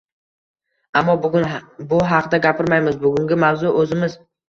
ammo bugun bu haqda gapirmaymiz, bugungi mavzu – o‘zimiz.